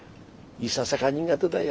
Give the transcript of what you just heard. いささか苦手だよ